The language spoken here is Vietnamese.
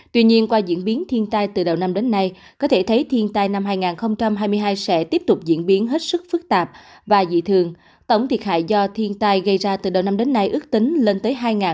tuy nhiên qua diễn biến thiên tai từ đầu năm đến nay có thể thấy thiên tai năm hai nghìn hai mươi hai sẽ tiếp tục diễn biến hết sức phức tạp và dị thường tổng thiệt hại do thiên tai gây ra từ đầu năm đến nay ước tính lên tới hai